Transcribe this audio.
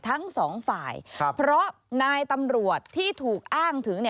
ทั้งสองฝ่ายเพราะนายตำรวจที่ถูกอ้างถึง